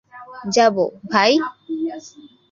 যাবো, ভাই?